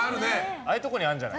ああいうところにあるんじゃない？